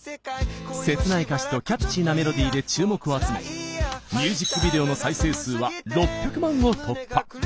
切ない歌詞とキャッチーなメロディーで注目を集めミュージックビデオの再生数は６００万を突破！